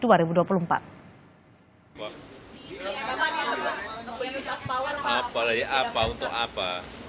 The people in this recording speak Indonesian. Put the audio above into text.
apa lagi apa untuk apa